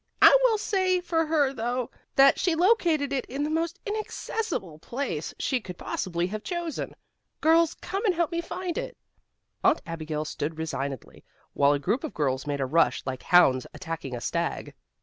I will say for her though, that she located it in the most inaccessible place she could possibly have chosen. Girls, come and help me find it." Aunt Abigail stood resignedly, while a group of girls made a rush, like hounds attacking a stag.